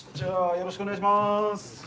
・よろしくお願いします。